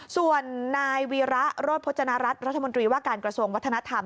ส่วนนายวีระโรธพจนรัฐรัฐรัฐมนตรีว่าการกระทรวงวัฒนธรรม